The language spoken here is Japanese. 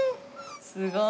すごーい。